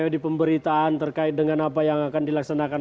di pemberitaan terkait dengan apa yang akan dilaksanakan